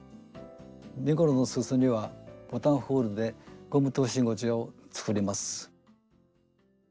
身ごろのすそにはボタンホールでゴム通し口を作ります。